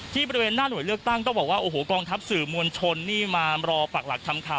ที่บริเวณหน้าหน่วยเลือกตั้งก็บอกว่ากองทัพสื่อมวลชนมารอปากหลักทำข่าว